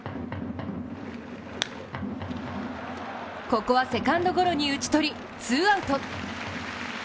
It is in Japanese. ここはセカンドゴロに打ち取り、ツーアウト。